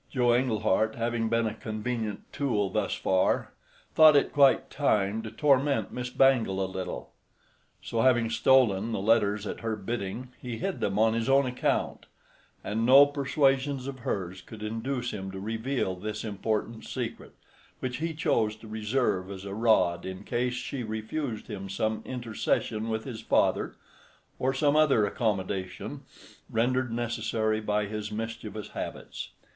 Joe Englehart having been a convenient tool thus far thought it quite time to torment Miss Bangle a little; so, having stolen the letters at her bidding, he hid them on his own account, and no persuasions of hers could induce him to reveal this important secret, which he chose to reserve as a rod in case she refused him some intercession with his father, or some other accommodation, rendered necessary by his mischievous habits.